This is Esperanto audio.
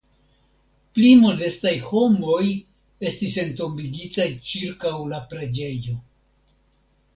Pli modestaj homoj estis entombigitaj ĉirkaŭ la preĝejo.